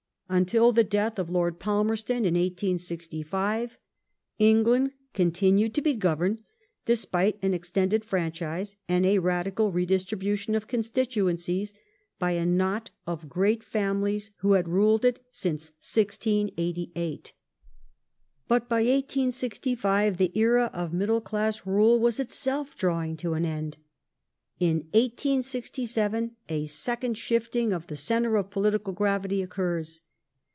Until the death of Lord Palmerston (1865) England continued to be governed, despite an extended franchise and a radical redistribution of constituencies, by a knot of great families who had ruled it since 1688. But by 1865 the era of middle class rule was itself drawing to an end. In 1867 a second shifting of the centre of political gravity occurs.